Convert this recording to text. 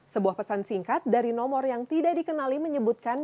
sebuah pesan singkat dari nomor yang tidak dikenali menyebutkan